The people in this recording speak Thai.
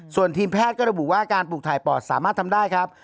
ส่วนทีมแพทย์ก็ระบุว่าการปลูกถ่ายปอดสามารถทำได้ครับ